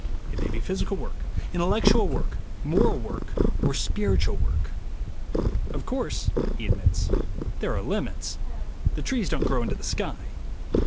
It may be physical work, intellectual work, moral work, or spiritual work. "Of course," he admits, "there are limits : the trees don't grow into the sky.